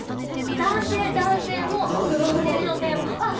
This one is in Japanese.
男性男性も男性男性もある？